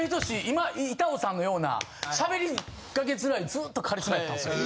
今板尾さんのようなしゃべりかけづらいずっとカリスマやったんですよ